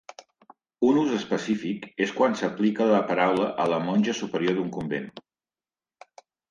Un ús específic és quan s'aplica la paraula a la monja superior d'un convent.